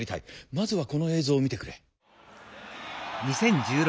まずはこの映像を見てくれ。